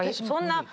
そんな。